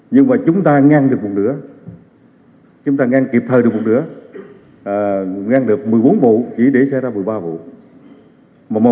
nhưng mà chúng ta ngăn được một nửa chúng ta ngăn kịp thời được một nửa ngăn được một mươi bốn vụ chỉ để xảy ra một mươi ba vụ